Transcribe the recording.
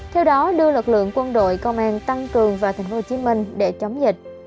theo đó đưa lực lượng quân đội công an tăng cường vào thành phố hồ chí minh để chống dịch